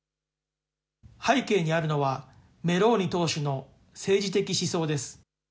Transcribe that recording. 背景にあるのはメローニ党首の政治的思想です。